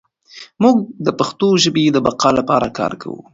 موږ د پښتو ژبې د بقا لپاره کار کوو.